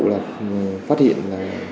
là phát hiện là